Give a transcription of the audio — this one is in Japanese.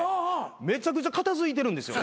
めちゃくちゃ片付いてるんですよ。